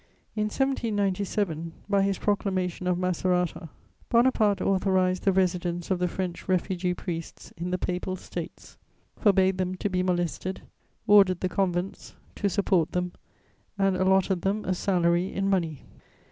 '" In 1797, by his Proclamation of Macerata, Bonaparte authorized the residence of the French refugee priests in the Papal States, forbade them to be molested, ordered the convents to support them, and allotted them a salary in money.